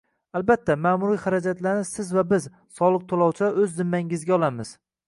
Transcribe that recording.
Albatta, ma'muriy xarajatlarni siz va biz - soliq to'lovchilar o'z zimmangizga olamiz